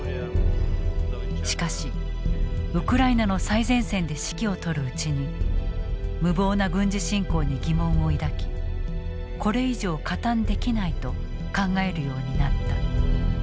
しかしウクライナの最前線で指揮を執るうちに無謀な軍事侵攻に疑問を抱きこれ以上加担できないと考えるようになった。